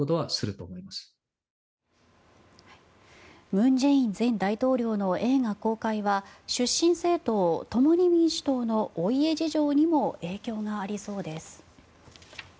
文在寅前大統領の映画公開は出身政党・共に民主党のお家事情にも影響がありそうです。